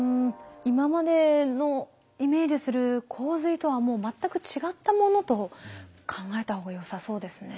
今までのイメージする洪水とはもう全く違ったものと考えた方がよさそうですね。